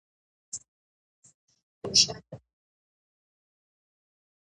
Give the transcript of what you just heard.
هغه ډېر خوشاله و.